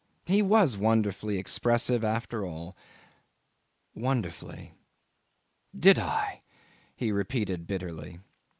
He was wonderfully expressive after all. Wonderfully! "Did I?" he repeated bitterly.